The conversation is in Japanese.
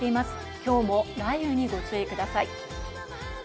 今日も雷雨にご注意ください。